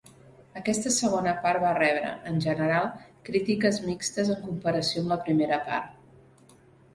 Aquesta segona part va rebre, en general, crítiques mixtes en comparació amb la primera part.